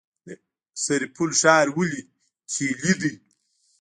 سرپل ښار ولې تیلي دی؟